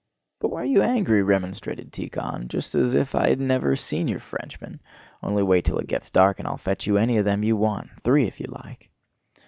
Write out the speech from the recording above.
"But why are you angry?" remonstrated Tíkhon, "just as if I'd never seen your Frenchmen! Only wait till it gets dark and I'll fetch you any of them you want—three if you like."